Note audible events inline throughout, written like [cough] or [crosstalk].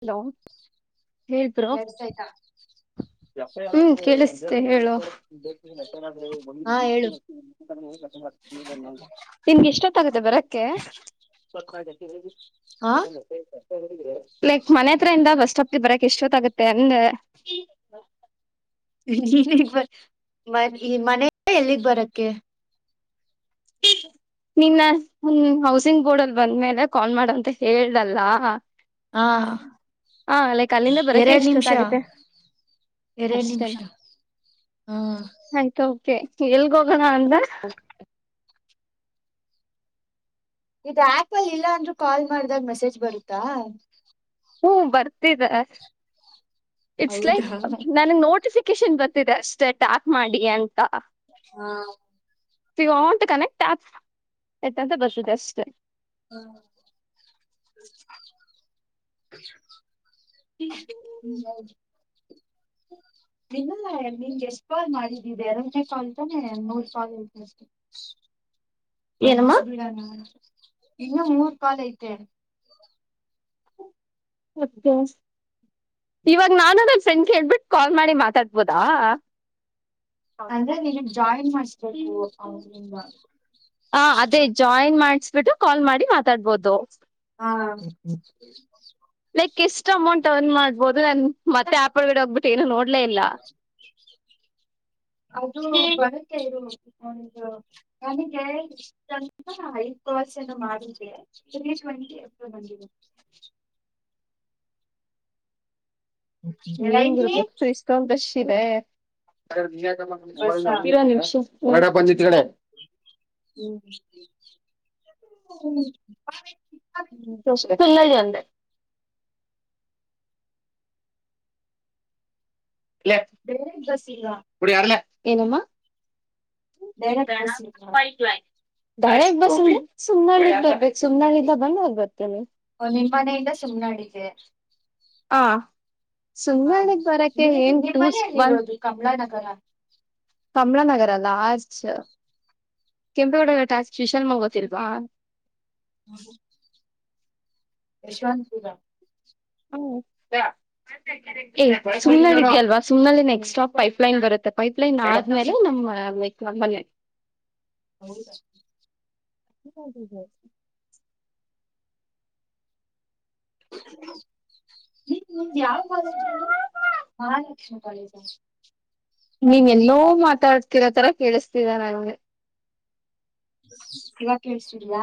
Hello ಹೇ ಗ್ರ [inaudible] ಹ್ಮ್ ಕೇಳಿಸೆ ಹೇಳು ಹಾ ಹೇಳು ನಿನ್ಗೆ ಇಷ್ಟೊತ್ತಾಗುತ್ತೆ ಬರಕ್ಕೆ ಹ ಲೈಕ್ ಮನೆ ಹತ್ರ ಇಂದ ಬಸ್ ಸ್ಟಾಪ್ ಬರಕ್ ಎಷ್ಟುೊತ್ ಆಾಗುತ್ತೆ ಅಂದೆ ನೀನಗ್ ಮ ಈ ಮನಲ್ಲ ಎಲ್ಲಿಗ್ ಬರಕ್ಕೆೆ [inaudible] ನಿನ್ನ ಹೌಸಿಂಗ್ ಬೋರ್ಡ್ ಅಲ್ ಬಂದ್ಮೇಲೆ ಕಾಲ್ ಮಾಡಂತ ಹೇಳ್ದಲ್ಲ ಹಾ ಹಾ ಲೈಕ್ ಅಲ್ಲಿಂದ ಬರಕೆ ಎರಡ್ ಎಷ್ಟು ಜೊತ್ತ ನಿಮಿಷ ಆಗತ್ತೆ ಎರಡ್ ನಿಮಿಷ ಅಷ್ಟೇನಾ ಹಾ ಆಯ್ತು ಕೆ ಎಲ್ಗ ಹೋಗೋಣ ಅಂತ ಇದು ಆಪ್ ಅಲ್ಲಿ ಇಲ್ಲ ಅಂದ್ರರು ಕಾಲ್ ಮಾಡ್ದಾಗ ಮೆಸೇಜ್ ಬರುತ್ತಾ ಹ್ಮ ಬರ್ತಿದ ಇಟ್ಸ್ ಹೌದಾ ಲೈಕ್ ನನಗ್ ನೋಟಿಸಿ ಕಿಶನ್ ಗರ್ತಿದೆ ಅಷ್ಟೆ ಟಾಕ್ ಮಾಡಿ ಅಂತ ಹಾ ಯಂ ಕನೆಕ್ಟ್ ಆ ಎಂತ ಬರ್ಸದೆ ಅಷ್ಟು ಹ್ಮ ಹ್ಮ್ ಹೌದು ನಿನ್ನಲ್ಲ ನಿನ್ಗೆ ಎಷ್ಟ್ ಕಾಲ್ ಮಾಡಿದ್ದೀಿದ್ದ ಎರಡನೇ ಕಾಲ್ ಅಂತಾನೆ ಮೂರ್ ಕಾಲ್ ಅಂತಿ [inaudible] ಏನಮ್ಮ ಮುಗಸಬ ಬಿಡಾನ ಇನ್ನು ಮೂರು ಪಲ್ ಐತೆ ಕೆ ಇವಾಗ ನಾನು ನ ಫ್ರೆಂಡ್ಗೆ ಹೇಳ್ಬಿಟ್ಟು ಕಾಲ್ ಮಾಡಿ ಮಾತಾಡ್ಬೋದಾ ಅಂದ್ರೆ ನಿ ಜಾಯಿನ್ ಮಾಡಸ್ಬೇಕು ಅವಂದ ಹ ಅದೇ ಜಾಯಿನ್ ಮಾಡಿಸಬಿಟ್ಟು ಕಾಲ್ ಮಾಡಿ ಮಾತಾಡ್ಬೋದು ಹಾ ಲೈಕ್ ಎಷ್ಟ ಅಮೌಂಟ್ ಅವ್ ಮಾಡ್ಬೋದು ನಾನನ್ ಮತ್ತೆ ಆಪಳ ಗಡಡೆ ಹೋಗಬಿಟ್ಟು ಏನ ನೋ ಅದು ಬರುತ್ತೆ ಇರು ಒಂದು ನನಗೆ ಹೈ ಕಸ್ ನ್ನು ಮಾಡ ಟ್ವೆಂಟಿ ಎ್ರಂದ ಹೆಂಗರುಪ ರೈಲ್ವೆ ಇಷ್ಟೊಂಂತಷ್ಟ ಬಸ್ಸಾ ಜಿತ್ ಕಡೆ ಹ್ಮ್ ಹ್ಮ ಕಲ್ಲ ಜಂದ ಬೇ ದಸಗ ಏನಮ್ಮ ಡೈರೆಕ್ಟ್ ಬಸ್ ಇಲ್ಲ ಪೈಕ್ ಲ ಳಗ್ ಬ ಸುಮ್ನಾಳ ಬರ್ಬೇಕು ಸುಮ್ನಾಳಿಂದ ಬಂದಾಗ್ ಬರ್ತೇನೆ ನಿಮ್ ಮನೆಯಿಂದ ಸುಮ್ಮ್ನೆಡಿದೆ ಹ ಹಾ ಸುಂದಣಗ್ ಬರಕ್ಕೆ ನೀ ಏನ್ ನಿಮ್ಮ್ ಟೂಸ್ ಮನೆಯಲ್ಲಿರೋದು ಕಮಲ ನ ಹ ಕಮಲ ನಗರಲ್ಲ ಆಜ ಕೆಂಪೆ ಒಡಗ ಟಾಸ್ ಟೂಷನ್ ಮಗತಿಲ್ವಾ ಹ್ಮ ಯಶವಂತ್ ಪೂಜ ಹ್ಮ ಏ ಸು ಯಶವಂತಪುರ್ [unintelligible] ಗೊತ್ತು ಅಲ್ವಾ [unintelligible] ನೆಕ್ಸ್ಟ್ ಸ್ಟಾಪ್ ಪೈಪ್ಲೈನ್ ಬರುತ್ತೆ ಪೈಪ್ಲೈನ್ ಆದ್ಮೇಲೆ ನಮ್ಮ ಲೈಕ್ ನಮ್ಮಲೇ ಹೌದ ಹೊ ಹೊ ಹೊ [unintelligible] ಎ ನಿಂದ್ ಯಾವ್ ಕಾಲೇಜ್ ಹೇಳು ಮಹಾಲಕ್ಷ್ಮಿ ಕಾಲೇಜ ನೀನ್ ಎಲ್ಲೋ ಮಾತಾಡ್ತಿರೋ ತರ ಕೇಳಿಸ್ತಿದೆ ನನ್ಗೆ. ಇವಾಗ್ ಕೇಳ್ಸ್ತೀದ್ಯಾ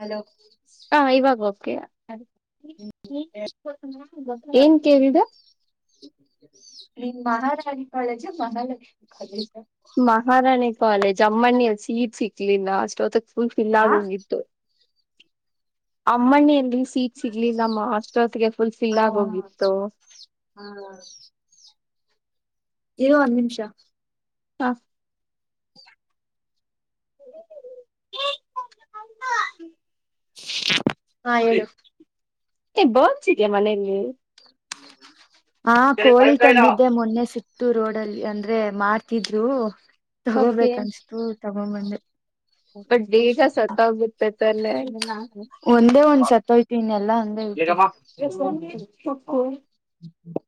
ಹಲೋ ಹ [unintelligible] ಏನ್ ಕೇಳ್ದೆ ನಿನ್ Maharani college Mahalakshmi college Maharani college ಅಮ್ಮನಣಿಯಲ್ಲಿ ಸೀಟ್ ಸಿಕ್ಲಿಲ್ಲ ಅಷ್ಟೊತಕ್ ಫುಲ್ ಫಿಲ್ ಹಾ ಆಗ್ ಹೋಗಿತ್ತು ಅಮ್ಮಣಿ ಸೀಟ್ ಸಿಗ್ಲಿಲ್ಲಮ್ಮ ಅಷ್ಟೊತ್ತಿಗೆ ಫುಲ್ ಫಿಲ್ ಹ ಆಗೋಗಿತ್ತು. ಹಾ ಇರು ಒನ್ ನಿಂಷ ಹಾ ಹಾ ಹೇಳು ಎ [unintelligible] ಇದ್ಯಾ ಮನೇಲಿ ಹಾ ಕೋಳಿ ತಂದಿದ್ದೆ ಮೊನ್ನೆ ಸಿ ಕ್ತು ರೋಡಲ್ಲಿ ಅಂದ್ರೆ ಮಾರ್ತಿದ್ರು ಓಕೆ ತಗೋಬೇಕ್ ಅನ್ಸ್ತು ತಗ್ ಗೋ ಬಂದೆ. ಬಟ್ ಬೇಗ ಸತ್ತ ಹೋಗುತ್ತೆ ತಾನೆ ಒಂದೇ ಒಂದ್ ಸತ್ತೋಯ್ತು ಇನ್ನೆಲ್ಲಾ ಹಂಗೆ ಐತೆ [unintelligible] [unintelligible] ಹ್ಮ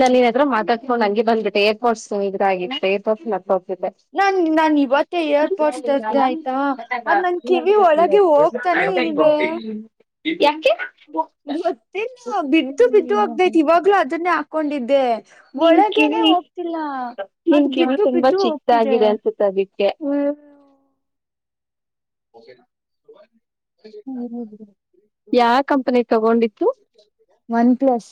ನಾನ್ ನಿನ್ಹತ್ರ ಮಾತಾಡ್ಕೊಂಡು ಹಂಗೆ ಬಂದಬಿಟ್ಟೆ ಏರ್ಪೋಡ್ಸ್ ಇದಾಗಿತ್ತು ನಾನ್ ನಾನ್ ಇವತ್ತೇ ಏರ್ಪೋರ್ಟ್ಸ್ ತರ್ದೆ ಆಯ್ತಾ ಅದ್ ನನ್ ಕಿವಿ ಒಳಗೆ ಹೋಗ್ತಾನೆ ಇಲ್ವೇ [unintelligible] ತಿದ್ದೆ [unintelligible] [inaudible] ಗೊತ್ತಿಲ್ಲ ಬಿದ್ದು ಬಿದ್ದು ಹೋಗತೈತಿ ಇವಾಗ್ಲೂ ಅದನ್ನೇ ಹಾಕೊಂಡಿದ್ದೆ. ನಿನ್ ಒಳಗೇನೆೇ ಕಿವಿ ಹೋಗ್ತಿಲ್ಲ ನಿನ್ ಅದು ಕಿವಿ ಬಿದ್ದು ತುಂಬಾ ಬಿದ್ದು ಹೋಗ್ತಿದೆ ಚಿಕ್ಕದಾಗಿದೆ ಅನ್ಸುತ್ತೆ ಅದಿಕ್ಕೆ ಹ್ಮ್ [unintelligible] ಓಕೆನಾ [unintelligible] [unintelligible] ಯಾವ್ ಕಂಪನಿ ತಗೊಂಡಿತ್ತು ಒನ್ ಪ್ಲಸ್.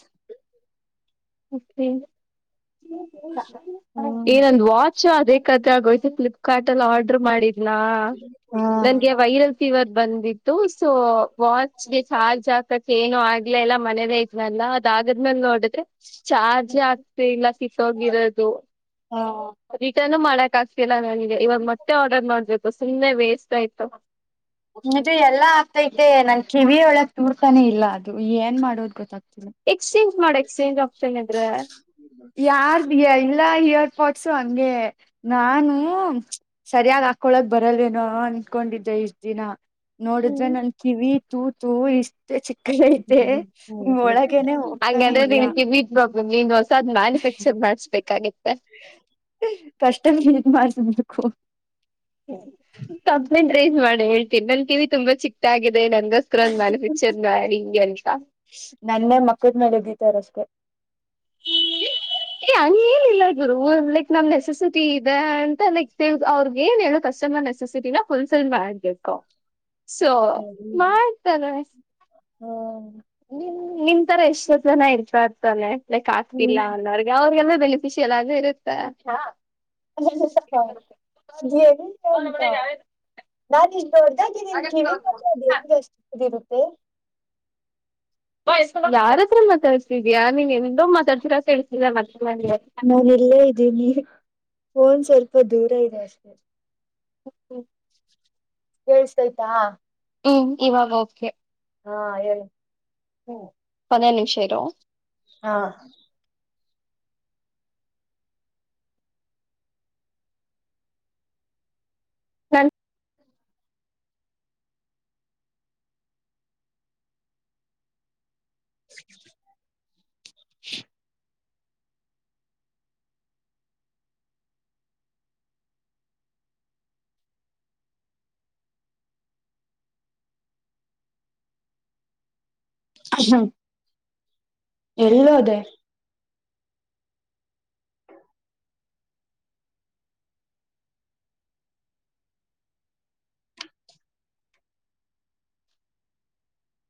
ಹ್ಮ್ ಏ ನಂದ್ ವಾ ಚ್ ಅದೇ ಕತ್ತಾಗೋಯ್ತು ಫ್ಲಿಪ್ಕಾರ್ಟ್ ಅಲ್ಲ್ ಆರ್ಡರ್ ಮಾಡಿದ್ನಾ ಹಾ ನನ್ಗೆ ವೈರಲ್ ಇವತ್ತ್ ಬಂದಿತ್ತು ಸೊ ವಾಚ್ಗೆ ಚಾರ್ಜ್ ಹಾಕಕ್ಕೆ ಏನೋ ಆಯ್ ಗಳೆಲ್ಲ ಮನೆಲೆ ಇದ್ವಲ ಅದ್ ಆಗದ್ಮೇಲ್ ನೋಡಿದ್ರೆ ಚಾರ್ಜಯೇ ಆಗ್ತಿಲ್ಲ ಕಿತ್ತೋಗಿರೋದು ಹ್ಮ ರಿಟರ್ನ್ನು ಮಾಡಕ್ ಆಗ್ತ್ ಗ್ತಿಲ್ಲ ನಂಗೆ ಇವಾಗ ಮತ್ತೆ ಆರ್ಡರ್ ಮಾಡ್ಬೇಕು ಸುಮ್ಮ್ನೆ ವೇಸ್ಟ್ ಆಯ್ತು. ಮತ್ತೆ ಎಲ್ಲಾ ಆಗ್ತೈಯ್ತೆ ನನ್ ಕಿವಿಯೊಳಗ್ ತೂರ್ತಾನೆ ಇಲ್ಲ ಅದು ಏನ್ ಮಾಡೋದ್ ಗೊತ್ತಾಗ್ತ್ ಎಕ್ಸ್ಚೇಂಜ್ ಮಾಡ ಎಕ್ಸ್ಚೇಂಜ್ ಆಪ್ಷನ್ ಇದ್ರೆ ಯಾರ್ದ್ [unintelligible] ಪೋಡ್ಸು ಹಂಗೆ ನಾನು ಸರಿಯಾಗ್ ಹಾಕೊಳಕ್ ಬರಲ್ಲೇನೋ ಅನ್ಕೊಂಡಿದ್ದೆ. ಇಷ್ಟ ದಿನ ನೋಡಿದ್ರೆ ನನ್ ಕಿವಿ ತೂತೂ ಇಷ್ಟೇ ಚಿಕ್ ಕ್ಕ ಐತೆ ಒಳಗನೆ ಹೋಗ್ ಹಂಗಂದ್ರೆ [unintelligible] ನೀನ್ ಹೊಸಾದ್ ಮ್ಯಾನುಫ್ಯಾಕ್ಚರ್ ಮಾಡ್ಬೇಕಾಗಿತ್ತೆ. ಕಸ್ಟಮ್ [unintelligible] ಕಂಪ್ಲೇಂಟ್ ರೈಸ್ ಮಾಡ್ ಹೇಳ್ತೀನ್ ನನ್ ಕಿವಿ ತುಂಬಾ ಚಿಕ್ಕ ಆ ದೆ ನಂಗೋಸ್ಕರ ಒಂದ್ ಮ್ಯಾನುಫಾಕ್ಚರ್ ಮಾಡಿ ಹಿಂಗೆ ಅಂತ ನನ್ನೇ ಮೊಕದ್ ಮೇಲ್ ಉಗೀತಾರಷ್ಟೇ. ಹ್ಮ ಏ ಹಂಗ ಏನಿಲ್ಲ ಗು ಲೈಕ್ ನಮ್ ನೆಸೆಸಿಟಿ ಅ ಅಂತ ಅವ್ರಗ್ ಏನ್ ಹೇಳ ಕಸ್ಟಮರ್ ನೆಸಸಿಟಿನ ಫುಲ್ಸೇಲ್ ಮಾಡ್ಬೇಕು ಸೊ ಅದ್ ಮಾಡ್ತಾರೆ ನಿನ್ ತರ ಎಷ್ಟ ಜನ ಇರ್ತಾ ಇರ್ತಾನೆ ಲೈಕ್ ಆಗ್ತಿಲ್ಲ ಅನ್ನೋರ್ಿಗೆ ಅವಿಗೆಲ್ಲ ಶಶಲಗ ಇರುತ್ತಾ ಜ ಹೇಳ ಹಾ ನಮ್ಮಡಗೆ ಯಾವ ನಾ ಇಷ್ಟ ದೊಡ್ಡ್ದಾಗಿ ನಿನ್ ಕಿವಿ ಮಾತ್ರ ಅದ ಹೆನ್ಗೆ ಅಷ್ಟು ಇರುತ್ತೆ ಯಾರತ್ರ ಮಾತಾಡ್ತಿದೀ ನೀನ್ೇನಂದೊ್ ಮಾತಾಡ್ತಿೀರಾ ಕಳ್ ನಾನ ಎಲ್ಲಾ ಇದ್ದೀನಿ ಫೋನ್ ಸ್ವಲ್ಪ ದೂರ ಇದೆ ಅಷ್ಟೇ ಹೆ ಕೇಳ್ಸಾಯ್ತಾ ಹ್ಮ್ ಇವಾಗ ಓಕೆ ಹಾ ಹೇಳ ಹ್ಮ ಪದೆಂ ನಿಮಿಷ ಇರೋ ಹಾ ಸನ್ [unintelligible] ಹ ಹ ಎಲ್ಲೋದೇ